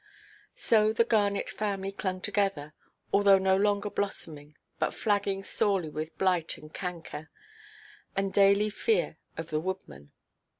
So the Garnet family clung together, although no longer blossoming, but flagging sorely with blight and canker, and daily fear of the woodman.